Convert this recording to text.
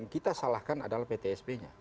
kita salahkan adalah ptsp nya